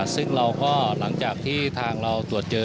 ซึ่งเราก็หลังจากที่ทางเราตรวจเจอ